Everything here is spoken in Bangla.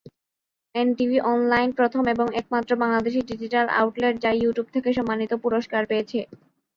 এনটিভি অনলাইন প্রথম এবং একমাত্র বাংলাদেশি ডিজিটাল আউটলেট যা ইউটিউব থেকে সম্মানিত পুরস্কার পেয়েছে।